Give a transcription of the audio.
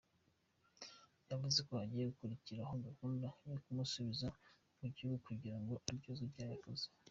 Yavuze ko hagiye gukurikiraho gahunda yo kumusubiza mu gihugu kugirango aryozwe icyaha yakoze.